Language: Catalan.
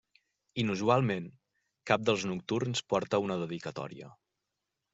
Inusualment, cap dels nocturns porta una dedicatòria.